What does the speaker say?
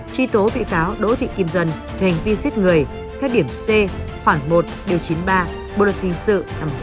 tri tố bị cáo đối thị kim duân thành viên giết người theo điểm c khoảng một điều chín mươi ba bộ luật kinh sự năm một nghìn chín trăm chín mươi chín